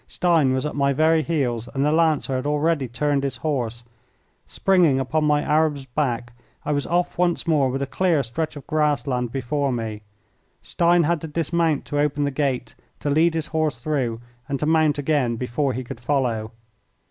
Stein was at my very heels, and the Lancer had already turned his horse. Springing upon my Arab's back, I was off once more with a clear stretch of grass land before me. Stein had to dismount to open the gate, to lead his horse through, and to mount again before he could follow.